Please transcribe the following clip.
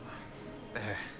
ええ。